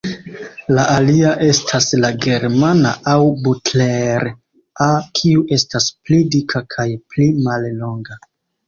La alia estas la "Germana" aŭ "Butler"-a, kiu estas pli dika kaj pli mallonga.